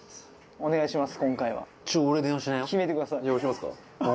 お願いします。